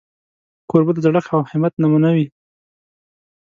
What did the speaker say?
کوربه د زړښت او همت نمونه وي.